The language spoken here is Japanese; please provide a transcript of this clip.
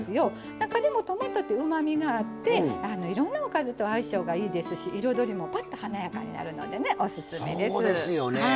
中でもトマトってうまみがあっていろんな、おかずと相性があって彩りも、ぱっと華やかになるのでオススメです。